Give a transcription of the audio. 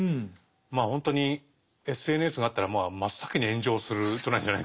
まあほんとにＳＮＳがあったら真っ先に炎上する人なんじゃないかなという。